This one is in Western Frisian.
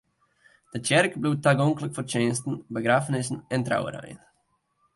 De tsjerke bliuwt tagonklik foar tsjinsten, begraffenissen en trouwerijen.